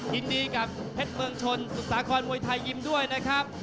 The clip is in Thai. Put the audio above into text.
ยินดีกับเพชรเมืองชนสุสาครมวยไทยยิมด้วยนะครับ